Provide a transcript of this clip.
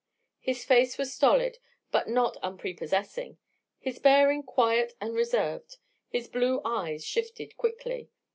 His face was stolid, but not unprepossessing; his bearing, quiet and reserved. His blue eyes shifted quickly.